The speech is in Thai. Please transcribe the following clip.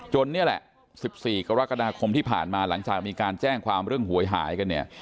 นี่แหละ๑๔กรกฎาคมที่ผ่านมาหลังจากมีการแจ้งความเรื่องหวยหายกันเนี่ย